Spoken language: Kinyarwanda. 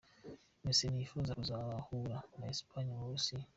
Messi ntiyifuza kuzahura na Espagne mu Burusiya.